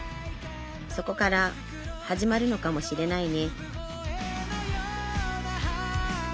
そこから始まるのかもしれないね